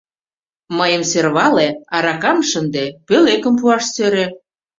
Мыйым сӧрвале, аракам шынде, пӧлекым пуаш сӧрӧ.